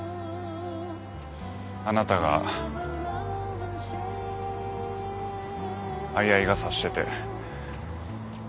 あなたが相合い傘してて。